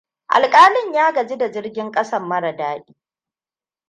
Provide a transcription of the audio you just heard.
Alƙalin ya gaji da jirgin ƙasan mara daɗi.